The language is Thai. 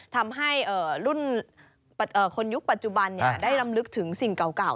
ทำให้รุ่นคนยุคปัจจุบันได้รำลึกถึงสิ่งเก่า